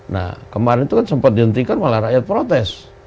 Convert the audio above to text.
nah kemarin itu kan sempat dihentikan malah rakyat protes